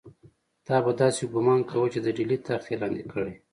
تا به داسې ګومان کاوه چې د ډهلي تخت یې لاندې کړی.